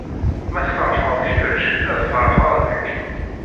Ma tfeṛḥed kečč, ad feṛḥeɣ nekk.